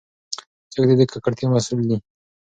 څوک د دې ککړتیا مسؤل دی؟